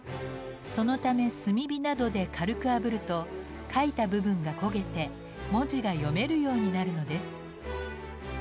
そのため炭火などで軽くあぶると書いた部分が焦げて文字が読めるようになるのです。